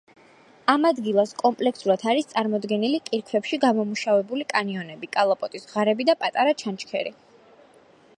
ამ ადგილას კომპლექსურად არის წარმოდგენილი კირქვებში გამომუშავებული კანიონები, კალაპოტის ღარები და პატარა ჩანჩქერი.